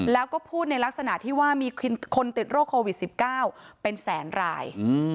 แล้วก็พูดในลักษณะที่ว่ามีคนติดโรคโควิด๑๙เป็นแสนราย